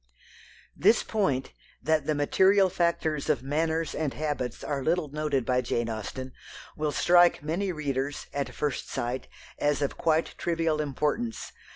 This point that the material factors of manners and habits are little noted by Jane Austen will strike many readers, at first sight, as of quite trivial importance.